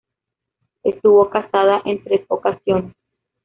Estuvo casada en tres ocasiones.